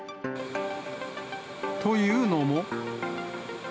というのも。